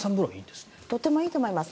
とってもいいと思いますね。